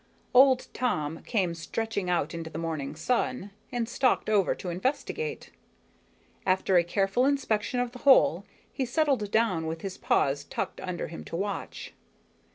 Old Tom came stretching out into the morning sun and stalked over to investigate. After a careful inspection of the hole he settled down with his paws tucked under him to watch.